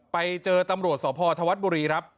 ไปเจอตำรวจสอบพ่อทวัสบุรีครับ